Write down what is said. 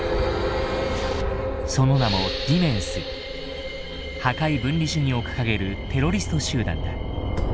その名も破壊分離主義を掲げるテロリスト集団だ。